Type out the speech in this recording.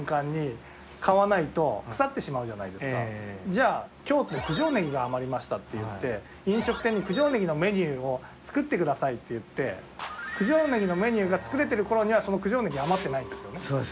じゃあ、九条ネギが余りましたといって飲食店に九条ネギのメニューを作ってくださいっていって九条ネギのメニューが作れているころにはその九条ネギは余っていないんですよね。